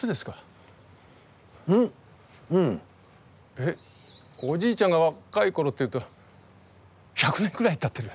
えっおじいちゃんが若い頃っていうと１００年くらいたってる。